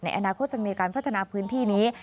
อนาคตจะมีการพัฒนาพื้นที่นี้